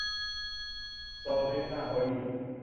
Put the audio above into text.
سازهی نهایی